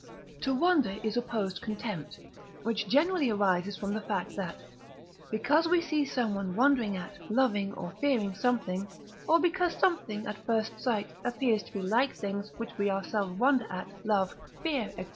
To wonder is opposed Contempt, which generally arises from the fact that, because we see someone wondering at, loving, or fearing something, or because something, at first sight, appears to be like things, which we ourselves wonder at, love, fear, &c.